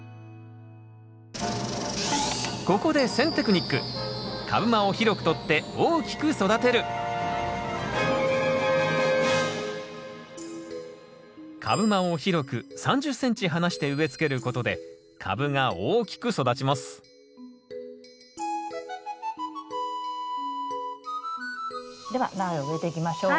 ここで株間を広く３０ｃｍ離して植え付けることで株が大きく育ちますでは苗を植えていきましょう。